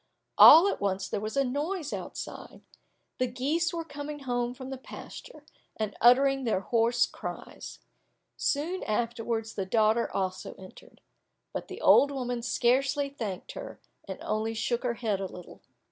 All at once there was a noise outside, the geese were coming home from the pasture, and uttering their hoarse cries. Soon afterwards the daughter also entered. But the old woman scarcely thanked her, and only shook her head a little.